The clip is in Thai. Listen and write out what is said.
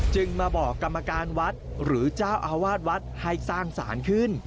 จึงมาบอกกรรมการวัดหรือเจ้าอาวาสวัดให้สร้างสารขึ้น